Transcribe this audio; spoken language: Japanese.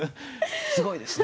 すごいですね